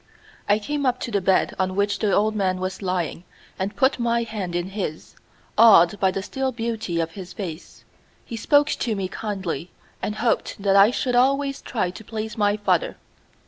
I came up to the bed on which the old man was lying and put my hand in his, awed by the still beauty of his face. He spoke to me kindly, and hoped that I should always try to please my father.